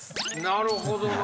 なるほどな。